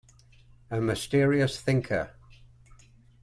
A mysterious thinker.